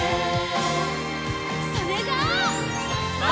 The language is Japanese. それじゃあ。